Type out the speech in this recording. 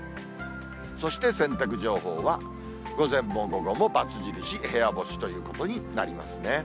そして洗濯情報は、午前も午後も×印、部屋干しということになりますね。